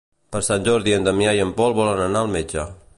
Per Sant Jordi en Damià i en Pol volen anar al metge.